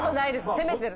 攻めてる。